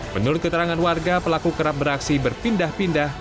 menurut keterangan warga pelaku kerap beraksi berpindah pindah